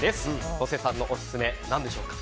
野瀬さんのオススメは何でしょうか？